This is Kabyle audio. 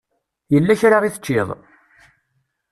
Yella kra i teččiḍ?